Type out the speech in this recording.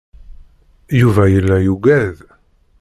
Yuba yella yugad.